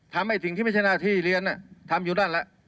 ทำให้สิ่งที่ไม่ใช่หน้าที่เรียนทำอยู่นั่นแหละ